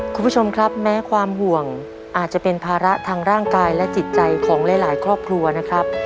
คุณผู้ชมครับแม้ความห่วงอาจจะเป็นภาระทางร่างกายและจิตใจของหลายครอบครัวนะครับ